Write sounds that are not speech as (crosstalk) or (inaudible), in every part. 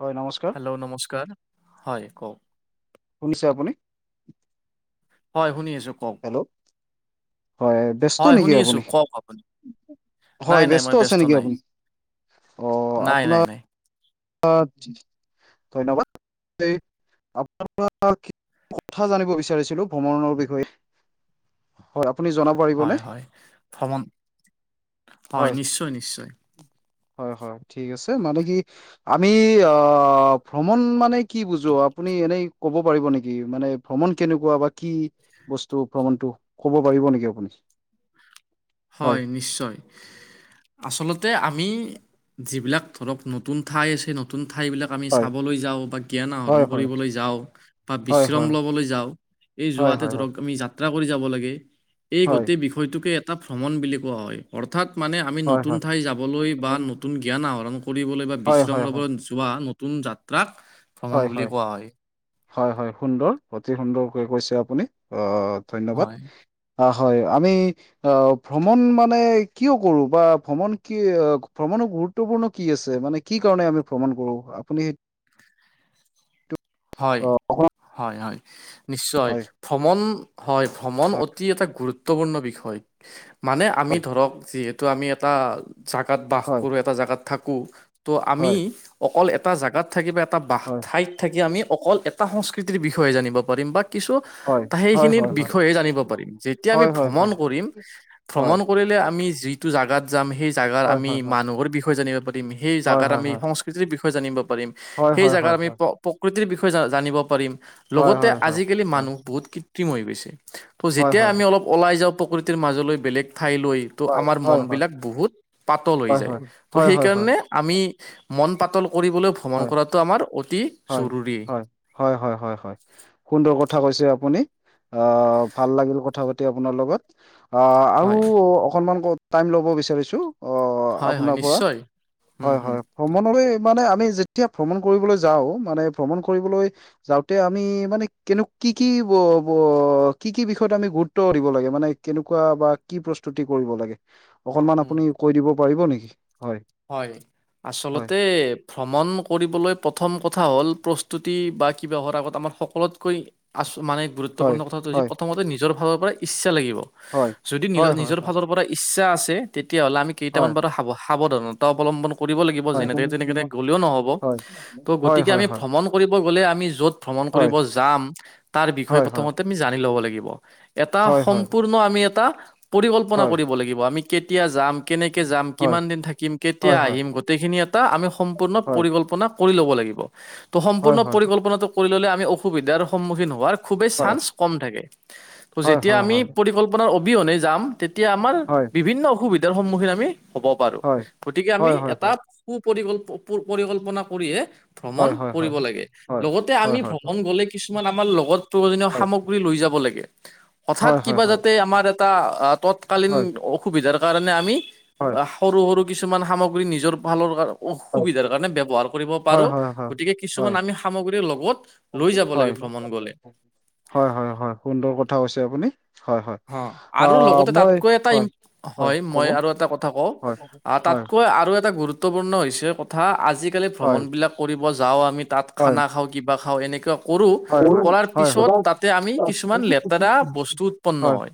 হয়', নমস্কাৰ। হেল্ল' নমস্কাৰ হয় কওক। শুনিছে আপুনি। হয়, শুনি আছোঁ কওক। হেল্ল', হয়। ব্যস্ত হয়, নেকি শুনি আছো আপুনি কওক আপুনি, হয় নাই, নাই, মই আছে ব্যস্ত নেকি নাই। আপুনি অ নাই, নাই, আপোনাৰ নাই। (unintelligible) ধন্যবাদ আপোনাৰ পৰা কথা জানিব বিচাৰিছিলো, ভ্ৰমণৰ বিষয়ে। হয় আপুনি জনাব পাৰিবনে হয়, হয়, ভ্ৰমণ হয়, নিশ্চয় নিশ্চয়। হয়, হয়, ঠিক আছে, মানে কি। আমি, অ', ভ্ৰমণ মানে কি বুজো? আপুনি এনেই ক'ব পাৰিব নেকি মানে? ভ্ৰমণ কেনেকুৱা বা কি বস্তু, ভ্ৰমণটো ক'ব পাৰিব নেকি আপুনি? হয়, নিশ্চয়। আচলতে আমি যিবিলাক ধৰক, নতুন ঠাই আছে নতুন ঠাই বিলাক আমি হয় চাবলৈ যাওঁ, বা জ্ঞান আহৰণ হয় হয় কৰিবলৈ যাওঁ, বা হয় বিশ্ৰাম হয় ল'বলৈ যাওঁ। এই হয় যোৱাতে হয় ধৰক আমি যাত্ৰা কৰি যাব লাগে, এই হয় গোটেই বিষয়টোকে এটা ভ্ৰমণ বুলি কোৱা হয়। অৰ্থাৎ মানে আমি হয় নতুন হয় ঠাই যাবলৈ, বা নতুন জ্ঞান আহৰণ কৰিবলৈ বা হয় হয় বিশ্ৰাম হয় হয় ল'বলৈ যোৱা নতুন যাত্ৰাক ভ্ৰমণ হয়, বুলি হয়, কোৱা হয়, হয়, সুন্দৰ অতি সুন্দৰকে কৈছে আপুনি, অ'। ধন্যবাদ, হয় অ', হয়, আমি। অ', ভ্ৰমণ মানে কিয় কৰো? বা ভ্ৰমণ কি, ভ্ৰমণক গুৰুত্ব গুৰুত্বপূৰ্ণ কি আছে, মানে কি কাৰণে আমি ভ্ৰমণ কৰো? আপুনি হয়, হয়, হয়, নিশ্চয় ভ্ৰমণ। হয়, ভ্ৰমণ অতি এটা গুৰুত্বপূৰ্ণ বিষয়, মানে আমি ধৰক যিহেতু টো আমি এটা জাগাত বাস কৰোঁ, এটা জাগাত থাকোঁ, ত' আমি অকল এট এটা জাগাত থাকি বা এটা বা ঠাইত থাকি, আমি অকল এটা সংস্কৃতিৰ বিষয়ে জানিব পাৰিম, বা কিছু সেইখিনিৰ বিষয়ে জানিব পাৰিম, যেতিয়া আমি ভ্ৰমণ কৰিম ভ্ৰমণ কৰিলে, আমি যি টো জাগাত যাম, সেই জাগাৰ আমি মানুহৰ বিষয় জানিব পাৰিম, সেই জাগাৰ আমি সংছ কিতিৰ বিষয়ে জানিব পাৰিম, সেই জাগাৰ আমি প্ৰ-প্ৰকৃতিৰ বিষয়ে জ জানিব পাৰিম। লগতে, আজিকালি মানুহ বহুত কৃত্ৰিম হৈ গৈছে, ত' যেতিয়াই আমি অলপ। ওলাই যাওঁ প্ৰকৃতিৰ মাজলৈ, বেলেগ ঠাইলৈ। ত' আমাৰ মন বিলাক বহুত পাতল হৈ যায়, ত' সেইকাৰণে আমি, মন পাতল কৰিবলৈ, ভ্ৰমণ কৰাটো আমাৰ অতি হয়, জৰুৰী। হয়, হয়, হয়, হয়, হয়, সুন্দৰ কথা কৈছে আপুনি, অ', ভাল লাগিল কথা পাত তি আপোনাৰ লগত, অ', আৰু হয় অকনমান কওক টাইম ল'ব বিচাৰিছো। অ', হয় হয় আপোনাৰ পৰা নিশ্চয় হম হয়, হম হয়, ভ্ৰমণলৈ মানে আমি যে যেতিয়া ভ্ৰমণ কৰিবলৈ যাও, মানে ভ্ৰমণ কৰিবলৈ। যাওঁতে আমি মানে, কেনে, কি, কি, ব ব কি, কি বিষয়ত আমি গুৰুত গুৰুত্ব দিব লাগে মানে, কেনেকুৱা বা কি প্ৰস্তুতি কৰিব লাগে। অকনমান উম আপুনি কৈ দিব পাৰিব নেকি? হয়। হয়, হয়, আচলতে ভ্ৰমণ কৰিবলৈ প্ৰথম কথা হ'ল, প্ৰস্তুতি বা কিবা হোৱাৰ আগত আমাৰ সকলোতকৈ। আচ মানে হয়, গুৰুত্বপূৰ্ণ কথাটো হৈছে, হয়, প্ৰথমতে নিজৰ ফালৰ পৰা ইচ্ছা লাগিব। হয়, যদি নিজৰ, হয়, হয়, নিজৰ, হয়, ফালৰ পৰা। ইচ্ছা আছে, তেতিয়া হ'লে আমি কেইটামান পৰা, সাৱ-সাৱধানতা অৱলম্বন কৰিব লাগিব। হয়, যেনেতে তেনেকেনে হয়। গ'লেও নহ'ব। হয় ত' হয় গতিকে হয় আমি হয় ভ্ৰমণ কৰিব গ'লে আমি য'ত ভ্ৰমণ হয় কৰিব যাম, তাৰ বিষয় হয় প্ৰথমতে আমি জানি ল'ব লাগিব। এটা হয় হয় হয় সম্পূৰ্ণ আমি এটা পৰিকল্পনা কৰিব লাগিব। আমি কেতিয়া যাম, কেনেকে যাম, হয় হয় কিমান দিন থাকিম, কেতিয়া হয় হয় আহিম গোটেইখিনি এটা আমি সম্পূৰ্ণ পৰিকল্প কল্পন্না কৰি ল'ব লাগিব। ত', হয় হয় হয় সম্পূৰ্ণ পৰিকল্পনাতো কৰি ললে আমি অসুবিধাৰ সন্মুখীন হোৱাৰ খুবেই হয় চান্স কম থাকে। ত', যেতিয়া হয় হয় হয় আমি পৰিকল্পনাৰ অবিহনে যাম। তেত তেতিয়া আমাৰ হয় বিভিন্ন অসুবিধাৰ সন্মুখীন আমি হ'ব পাৰো। গতিকে আমি হয় হয় হয় এটা সুপৰিকল্প-প-পৰিকল্পনা কৰিহে ভ্ৰমণ হয় হয় কৰিব লাগে। হয় হয় হয় হয় হয় লগতে হয় হয় আমি ভ্ৰমণ গ'লে, কিছুমান আমাৰ লগত প্ৰয়োজনীয় সামগ্ৰী লৈ যাব লাগে। হয় হয় হয় হয় হয় হঠাৎ হয় হয় হয় কিবা যাতে আমাৰ এটা আ তৎকালীন ঊ সুবিধাৰ কাৰণে আমি, আহ সৰু সৰু কিছুমান সামগ্ৰী নিজৰ ভালৰ কাৰ অসুবিধাৰ কাৰণে ব্যৱহাৰ কৰিব পাৰো। গতিকে কিছুমান আমি সামগ্ৰীৰ লগত লৈ যাব হয় লাগে ভ্ৰমণ গলে। হয়, হয়, হয়। সুন্দৰ কথা হৈছে আপুনি। হয়, হয়। অ'। আৰু আহ লগতে মই তাতকৈ এটা হয় ইম, হয়, মই আৰু এটা কথা কওঁ। হয় আ', হয় তাতকৈ আৰু এটা গুৰু গুৰুত্বপূৰ্ণ হৈছে কথা আজিকালি হয় হয় ভ্ৰমণ বিলাক কৰিব যাওঁ। আমি তাত হয় খানা খাওঁ, কিবা খাওঁ এনেকুৱা কৰো, কৰাৰ পিছত তাতে আমি কিছুমান লেতেৰা বস্তু উৎপন্ন হয়।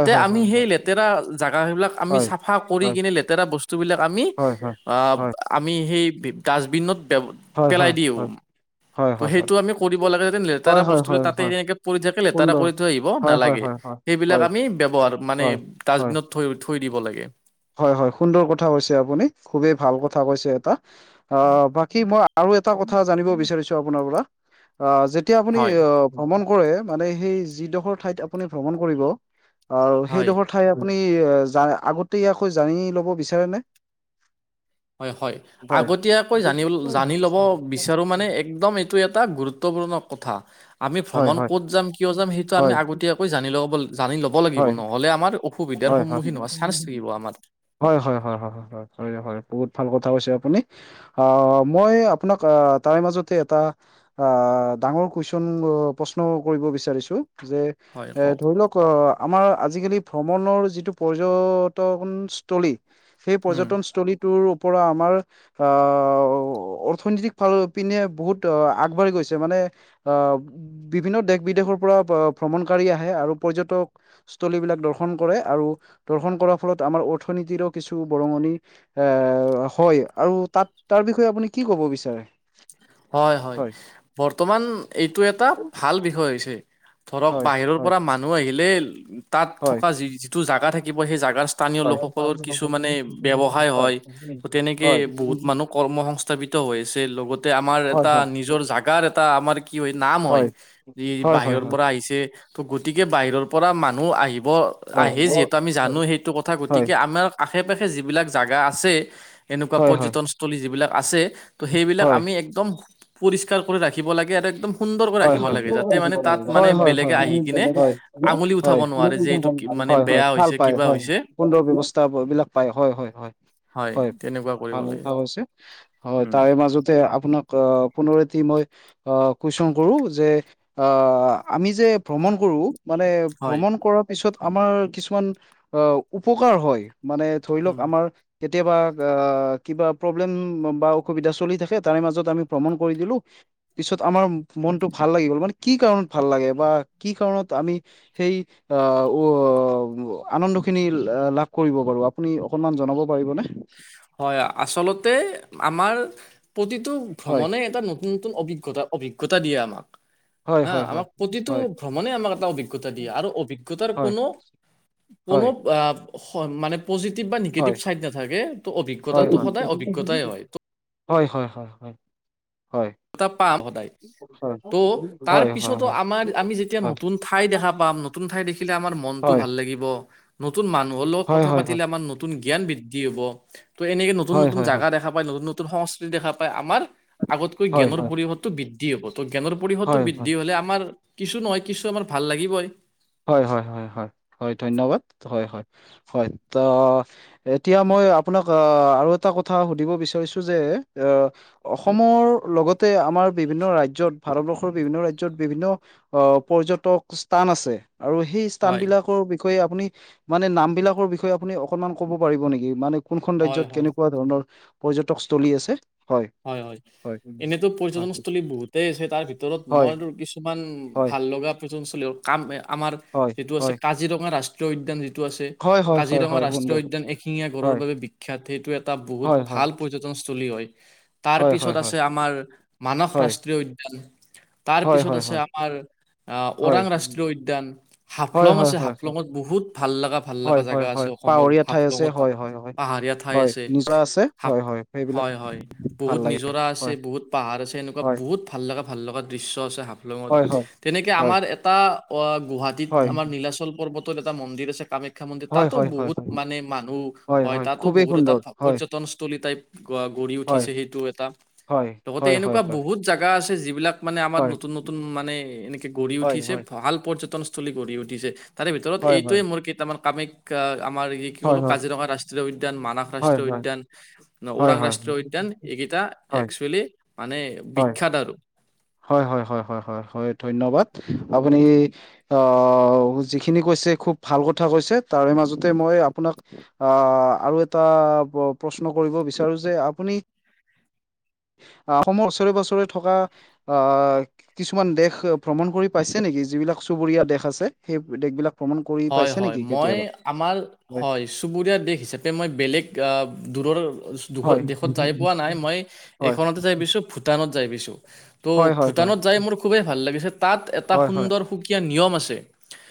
হয় আমি হয় হয় হয় হয় সেই হয় লেতেৰা জাগা, সেইবিলাক আমি হয় চাফা কৰি হয় কিনে, লেতেৰা বস্তুবিলাক আমি হয় হয় অ', হয় আমি সেই বিপ, ডাষ্টবিনত ব্যব হয়, হয়, হয়। ত' হয় হয় সেইটো আমি কৰিব লাগে যাতে, হয় লেতেৰা হয় হয় বস্তুবিলাক হয় তাতে হয় সনেকে পৰি থাকে, লেতেৰা সুন্দৰ কৰি থৈ আহিব হয় হয় নেলাগে। হয় হয় হয় সেইবিলাক আমি ব্যৱহাৰত, মানে হয় হয় ডাষ্টবিনত থৈ, থৈ দিব লাগে। হয়, হয়, সুন্দৰ কথা কৈছে আপুনি। খুবেই ভাল কথা কৈছে এটা। অ', বাকী মই আৰু এটা কথা জানিব বিচাৰিছো আপোনাৰ পৰা, আহ যেতিয়া আপুনি হয়। এ', অপ ভ্ৰমণ কৰে। মানে, সেই যিডখৰ ঠাইত আপুনি ভ্ৰমণ কৰিব, আও হয় সেইডখৰ ঠাই আপুনি এ', যায় আগতে আকৌ জানি ল'ব বিচাৰেনে? হয়, হয়। হয় আগতীয়াকৈ জানিল, জানি ল'ব বিচাৰো মানে একদম এইটো এটা গুৰুত্বপূৰ্ণ কথা। আমি হয় ভ্ৰমণ হয় ক'ত যাম, কিয় যাম, সেইটো আমি হয় আগতীয়াকৈ জানি লব, জানি লওক। হ'ব লাগিব। হয় নহ'লে আমাৰ অসুবিধাৰ হয় হয় সন্মুখীন হোৱা চান্স থাকিব আমাৰ। হয়, হয়, হয়, হয়, হয়, হয়, হয়, হয়। বহুত ভাল কথা কৈছে আপুনি। অ', মই আপোনাক আহ তাৰে মাজতে এটা আহ ডাঙৰ কুৱেশ্যন, প্ৰশ্ন কৰিব বিচাৰিছোঁ, যে হয় এ', কওক ধৰি লওক অ'। আমাৰ আজিকালি ভ্ৰমণৰ যিটো পৰ্যটহোনস্তলী। সেই উম পৰ্যটনস্থলীটোৰ ওপৰ আমাৰ আহ, অ', অৰ্থনীতিক ফাল পিনে বহুত অ', আগবাঢ়ি গৈছে। মানে আহ বিভিন্ন দেশ বিদেশৰ পৰা প- ভ্ৰমণকাৰী আহে আৰু পৰ্যটক স্থলীবিলাক দৰ্শন কৰে। আৰু দৰ্শন কৰাৰ ফলত আমাৰ অৰ্থনীতিৰো কিছু বৰঙণি এ', হয়। আৰু তাত তাৰ বিষয়ে আপুনি কি ক'ব বিচাৰে? হয়, হয়। বৰ্তমান এইটো এটা ভাল বিষয় হৈছে। ধৰক হয় বাহিৰৰ হয় পৰা মানুহ আহিলে, তাত হয় থকা যি-যিটো জোগা থাকিব, সেই যাগাৰ স্থানীয় হয় হয় লোকসকলৰ হয় কিছু মানে হয় ব্যৱসায় হয়। ত', তেনেকে হয় বহুত মানুহ কৰ্মসং স্থাপিত হৈছে, লগতে- আমাৰ হয় এটা, নিজৰ যাগাৰ এটা, আমাৰ কি হয় নাম হয়, ই হয় হয় হয় হয় বাহিৰৰ পৰা আহিছে। সেই ত' গতিকে বাহিৰৰ পৰা মানুহ আহিব। হয় হয় আহে যিহেতু আমি জানো সেইটো কথা। গতিকে আমাৰ আশে-পাশে যি বিলাক যাগা আছে- এনেকুৱা পৰ্যটনস্থলী যিবিলাক আছে, ত' সেইবিলাক আমি একদম- পৰিষ্কাৰ কৰি ৰাখিব লাগে আৰু একদম- সুন্দৰকে ৰাখিব লাগে। হয় হয় যাতে মানে তা'ত মানে হয় হয় হয় বেলেগে আহি কিনে হয় আঙুলি উঠাব নোৱাৰে, যে এইটো মানে হয়-হয়, বেয়া ভাল হৈছে পায় কিবা হয়, হৈছে সুন্দৰ ব্যৱস্থা এইবিলাক পায়, হয়-হয়-হয়। হয় তেনেকুৱা কৰিব হয়-হয়, লাগে (unintelligible) হৈছে। হয়, উম তাৰে মাজতে আপোনাক- পুনৰ এটি মই কুৱেশ্যন কৰো যে আহ', -আমি যে- ভ্ৰমণ কৰোঁ, মানে হয় ভ্ৰমণ কৰা- তাৰ পিছত আমাৰ কিছুমান আহ' উপকাৰ হয়, মানে ধৰি লওঁক উম আমাৰ- কেতিয়াবা কিবা প্ৰব্লেম বা অসুবিধা চলি থাকে তাৰে মাজত আমি ভ্ৰমণ কৰি দিলো। পিছত আমাৰ মনতটো ভাল লাগিব, মানে কি কাৰণত ভাল লাগে বা কি কাৰণত আমি- সেই- আহ', উ' আনন্দ খিনি লাভ কৰিব পাৰোঁ, আপুনি অকণমান জনাব পাৰিব নে? হয়, আচলতে আমাৰ প্ৰতিটো হয় ভ্ৰমণে এটা নতুন- নতুন-নতুন অভিজ্ঞতা, অভিজ্ঞতা দিয়ে আমাক। হয় হাঁ, হয় হয় আমাক প্ৰতিটো হয় ভ্ৰমণে আমাক এটা অভিজ্ঞতা দিয়ে আৰু অভিজ্ঞতাৰ হয় কোনো- কোনো হয় মানে পজিটিভ বা নিগেটিভ হয় চাইড নাথাকে। ত' অভিজ্ঞতাটো সদায় অভিজ্ঞতাই হয়। হয়-হয়-হয়, হয়। এটা পাম সদায়, ত' তাৰ হয় হয় হয় হয় হয় পিছতো আমাৰ আমি যেতিয়া নতুন ঠাই দেখা পাম। নতুন ঠাই দেখিলে আমাৰ মনটো ভাল লাগিব। নতুন মানুহৰ হয় লগত হয় কথা হয় হয় পাতিলে আমাৰ নতুন জ্ঞান বৃদ্ধি হ'ব। ত' এনেকে হয় নতুন-নতুন হয় হয় হয় জাগা দেখা- নতুন-নতুন সংস্কৃতি দেখা পাই আমাৰ আগতকৈ হয় জ্ঞান পৰিৱেশটো বৃদ্ধি হ'ব। ত' জ্ঞানৰ- পৰিৱেশটো হয় হয় বৃদ্ধি হ'লে আমাৰ কিছু নহয়, কিছু আমাৰ ভাল লাগিবই। হয়-হয়-হয়-হয়, হয় ধন্যবাদ। হয়-হয়, হয়, ত' এতিয়া মই আপোনাক আহ', আৰু এটা কথা সুধিব বিচাৰিছো যে আহ', - অসমৰ লগতে আমাৰ বিভিন্ন ৰাজ্যত ভাৰতবৰ্ষৰ বিভিন্ন ৰাজ্যত বিভিন্ন- আহ', -পৰ্যটক স্থান আছে আৰু সেই স্থান হয় বিলাকৰ বিষয়ে আপুনি- মানে নাম বিলাকৰ বিষয়ে আপুনি অকণমান ক'ব পাৰিব নেকি মানে কোনখন হয় ৰাজ্যত হয় কেনেকুৱা ধৰণৰ পৰ্যটকস্থলী আছে? হয় হয়-হয়। হয় এনেইতো পৰ্যটনস্থলী বহুতেই আছে তাৰ ভিতৰত হয় মই কিছুমান হয় ভাল লগা- অঞ্চল কাম আমাৰ হয় যিটো আছে হয় কাজিৰঙা ৰাষ্ট্ৰীয় উদ্যান যিটো আছে- হয় হয় হয় হয় কাজিৰঙা হয় ৰাষ্ট্ৰীয় সুন্দৰ উদ্যান এশিঙীয়া গড়ৰ হয় বাবে বিখ্যাত, সেইটো এটা বহুত হয় হয় ভাল পৰ্যটনস্থলী হয়। হয় হয় তাৰপিছত হয় আছে আমাৰ মানস হয়, ৰাষ্ট্ৰীয় উদ্যান, হয়, তাৰপিছত হয়, আছে হয়, আমাৰ- আহ', হয়। ওৰাং ৰাষ্ট্ৰীয় উদ্যান, হয়, হাফলং হয়, আছে, হয়, হাফলঙত বহুত ভাল লগা, ভাল হয়, লগা হয়, জেগা আছে। হয়, অসমৰ পাৱৰীয়া ঠাই আছে হাফলঙৰ হয়, হয়, হয়। পাহাৰীয়া ঠাই হয়, আছে। নিজৰা আছে হাফ, হয়, হয়, সেইবিলাক হয়-হয়। ভাল বহুত লাগে নিজৰা আছে, হয়, বহুত পাহাৰ আছে, এনেকুৱা হয়, বহুত ভাল লগা, ভাল লগা দৃশ্য আছে। হয়, তেনেকে হয়। আমাৰ এটা গুৱাহাটীত হয়, আমাৰ নীলাচল পৰ্বত- এটা মন্দিৰ আছে কামাখ্যা মন্দিৰ, তা'তো হয়, হয়, হয়, হয়, বহুত হয়, মানে মানুহ। হয়, তা'তো খুবেই বহুত এটা সুন্দৰ হয়, পৰ্যটনস্থলী টাইপ গঢ়ি হয়। উঠিছে, সেই- টো এটা। হয়, লগতে হয়, হয়, হয়, এনেকুৱা হয়, বহুত- জাগা আছে যিবিলাক মানে আমাৰ হয়, নতুন নতুন মানে এনেকে গঢ়ি হয়, উঠিছে হয়, ভাল পৰ্যটন সলী গঢ়ি উঠিছে তাৰে ভিতৰত হয়, হয়, এইটোয়ে মোৰ কেইটামান কামাইক আ আমাৰ এই কি হয়, কলো হয়, কাজিৰঙা ৰাষ্ট্ৰীয়ৰ উদ্যান মানাস হয়, ৰাষ্ট্ৰীয় উদ্যান ন হয়, ওৰাং হয়, ৰাষ্ট্ৰীয় উদ্যান এইকেইটা হয়, হয়, একচুৱেলি মানে হয়। বিখ্যাত আৰু। হয় হয় হয় হয় হয় হয় ধন্যবাদ আপুনি আহ যিখিনি কৈছে খুব ভাল কথা কৈছে তাৰে মাজতে মই আপোনাক আহ আৰু এটা প প্ৰশ্ন কৰিব বিচাৰো যে আপুনি আহ অসমৰ ওচৰে পাছৰে থকা আহ কি কিছুমান দেশ ভ্ৰমণ কৰি পাইছে নেকি যিবিলাক চুবুৰীয়া দেশ আছে সেইব দেশবিলাক। ভ্ৰমণ কৰি হয় পাইছে হয় নেকি মই কেতিয়াবা আমাৰ হয়। চুবুৰীয়া দেশ হিচাপে মই বেলেগ আ দূৰৰ দোশ দেশত যাই পোৱা নাই মই হয় এইখনতে যাই পাইছো ভূত টানত যাই পাইছো ত' হয় হয় হয় ভূটানত যাই মোৰ খুবেই ভাল লাগিছে তাত এটাু হয় হয় সুন্দৰ হো কীয়া নিয়ম আছে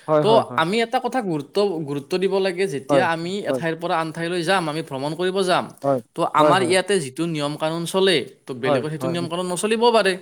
হয় ত' হয় হয় আমি এটা কথা গুৰ ত্ব গুৰুত্ব দিব লাগে হয় যেতিয়া আমি হয় এঠাইৰ পৰা আন ঠাইলৈ যাম আমি ভ্ৰমণ কৰিব যাম হয় ত' হয় আমাৰ হয় হয় ইয়াতে যি- টো নিয়ম কানুন চলে ত বেলেগত সেইটো হয় হয় নিয়ম কানুন নচলিব ও পাৰে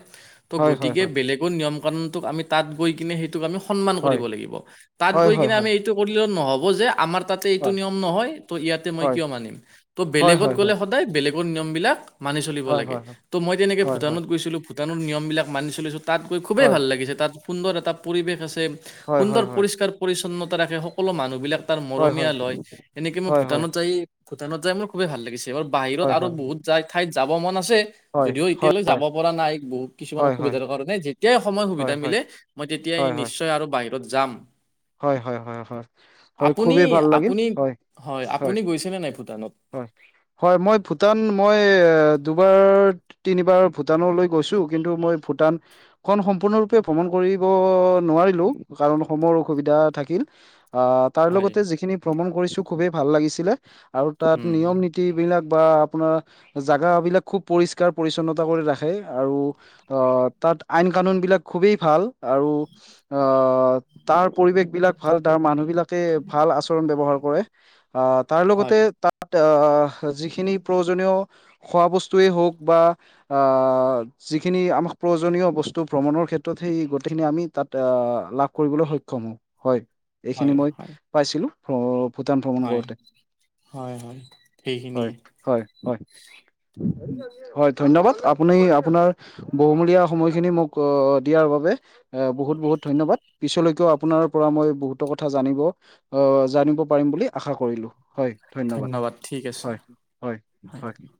ত হয় হয় গতিকে হয় হয় বেলেগ টো নিয়ম কানুনটোক আমি তাত গৈ কিনে সেইটোক আমি সন্মান কৰিব লাগিব তাত গৈ হয় হয় হয় কিনে হয় আমি এইটো কৰিলেও নহব যে আমাৰ তাতে এইটো হয় নিয়ম নহয় ত' ইয়াতে মই হয় কিয় মানিম ত' হয় বেলেগত হয় হয় গ'লে সদায় বেলেগৰ নিয়ম বিলাক মানি চলিব হয় লাগে হয় ত' মই তেনেকে হয় হয় ভূটানত গৈছিলো ভূটানৰ নিয়মবিলাক মানি চলিছোঁ তাত গৈ খুবেই হয় ভাল লাগিছে তাত সুন্দৰ এটা পৰিৱেশ আছে হয় হয় সুন্দৰ পৰিষ্কাৰ পৰিচ্ছন্নতা ৰাখে সকলো মানুহ বিলাক তাৰ মৰমিয়াল হয় এনেকে মই হয় হয় ভূটানত যায় ভূটানত যাই মোৰ খুবেই ভাল লগিছ তেহৰ বাহিৰত হয় আৰু হয় হয় হয় বহুত যাই ঠাইত যাব মন আছে। যদিও হয় এতিয়ালৈ যাব পৰা নাই বহুত কিছুমান হয় হয় অসুবিধাৰ কাৰণে যেতিয়াই সময় সুবিধা হয় হয় হয় হয় মিলে মই তেতিয়াই হয় হয় নিশ্চয় আৰু বাহিৰত যাম। হয় হয় হয় হয়। আপুনি খুবেই ভাল লাগিল আপুনি হয় আপুনি গৈছেনে নাই ভূটানত হয় হয় মই ভূটান মই দুবাৰ তিনিবাৰ ভূটানলৈ গৈছো কিন্তু মই ভূটান খন সম্পূৰ্ণৰূপে ভ্ৰমণ কৰিব নোৱাৰিলো কাৰণ সমৰো সুবিধা থাকিল আ তাৰ হয় লগতে যিখিনি ভ্ৰমণ কৰিছোঁ খুবেই ভাল লাগিছিলে আৰু তাত উম নিয়ম নিত টি বিলাক বা আপোনাৰ জাগা বিলাক খুব পৰিষ্কাৰ পৰিছন্নতা কৰি ৰাখে আৰু আহ তাত আইন কানুন বিলাক খুবেই ভাল আৰু আহ তাৰ পৰিৱেশ বিলাক ভাল তাৰ মানুহ বিলাকে ভাল আচৰণ ব্যৱহাৰ কৰে আহ তাৰ লগতে হয় তাত আহ যিখিনি প্ৰয়োজনীয় খোৱা বস্তুৱেই হওক বা আ যিখিনি আমাক প্ৰয়োজনীয় বস্তু ভ্ৰমণৰ ক্ষেত্ৰত সেই গোটেইখিনি আমি তাত আ লাভ কৰিবলৈ সই ক্ষম হও হয় এইখিনি হয় মই হয় পাইছিলো ভ ভূটান ভ্ৰমণ হয় কৰোতে হয় হয় হয় সেইখিনিয়ে হয় হয় উ (inaudible) হয় ধন্যবাদ আপুনি আপোনাৰ বহুমূলীয়া সময়খিনি মোক অ দিয়াৰ বাবে অ, বহুত, বহুত ধন্যবাদ। পিছলৈকেও আপোনাৰ পৰা মই বহুতো কথা জানিব, অ, জানিব পাৰিম বুলি আশা কৰিলো, হয়। ধন্যবাদ। ঠিক আছে হয়- হয়- হয়।